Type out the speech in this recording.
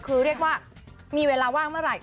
คือเรียกว่ามีเวลาว่างเมื่อไหร่